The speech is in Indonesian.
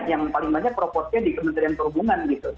yang paling banyak proporsinya di kementerian perhubungan gitu